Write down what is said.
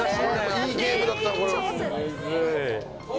いいゲームだった。